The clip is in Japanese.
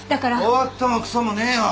終わったもクソもねえよ。